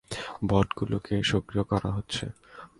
বটগুলোকে সক্রিয় করা হচ্ছে!